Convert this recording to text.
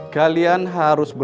kalian harus berpikir